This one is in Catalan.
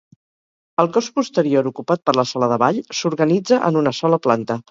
El cos posterior, ocupat per la sala de ball, s'organitza en una sola planta.